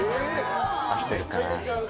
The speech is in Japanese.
合ってるかな？